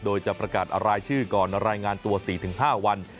โดยจะประกาศรายชื่อก่อนรายงานตัว๔๕วัน